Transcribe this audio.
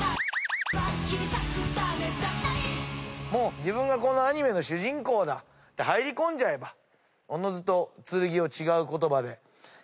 自分がこのアニメの主人公だって入り込んじゃえばおのずと「剣」を違う言葉で読めるんじゃないですかね。